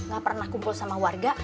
gak pernah kumpul sama warga